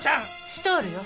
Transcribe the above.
ストールよ。